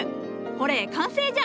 ほれ完成じゃ！